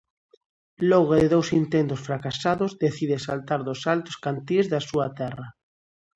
Logo de dous intentos fracasados, decide saltar dos altos cantís da súa terra.